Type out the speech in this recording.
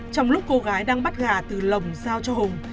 trong lúc cô gái đang bắt gà từ lồng giao cho hùng